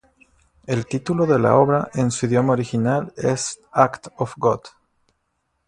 El título de la obra, en su idioma original, es "Act of God".